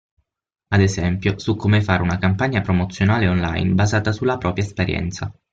Ad esempio, su come fare una campagna promozionale online basata sulla propria esperienza.